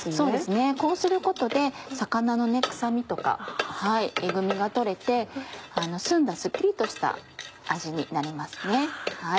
こうすることで魚の臭みとかえぐみが取れて澄んだスッキリとした味になりますね。